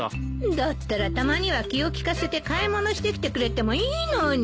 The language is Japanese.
だったらたまには気を利かせて買い物してきてくれてもいいのに。